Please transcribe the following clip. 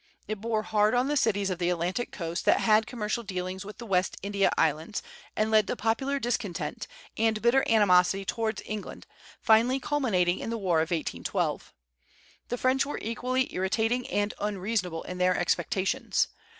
It bore hard on the cities of the Atlantic coast that had commercial dealings with the West India Islands, and led to popular discontent, and bitter animosity towards England, finally culminating in the war of 1812. The French were equally irritating, and unreasonable in their expectations.